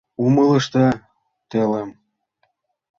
Умылышда, телым!